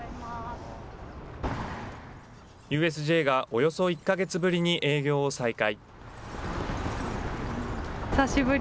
ＵＳＪがおよそ１か月ぶりに、営業を再開。